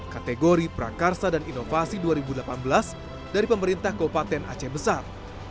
kategori prakarsa dan inovasi dua ribu delapan belas dari pemerintah kabupaten aceh besar